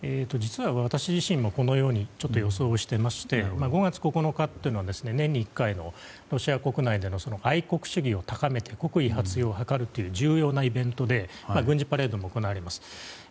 実は、私自身もこのようにちょっと予想していまして５月９日というのは年に一回のロシア国内での愛国主義を高めて国威発揚を図るという重要なイベントで軍事パレードも行われます。